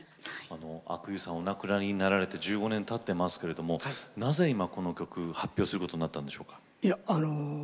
阿久悠さんがお亡くなりになられて１５年たってますけれどもなぜ今、この曲を発表することになったんでしょうか。